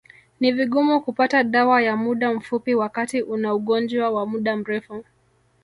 Ni vigumu kupata dawa ya muda mfupi wakati una ugonjwa wa muda mrefu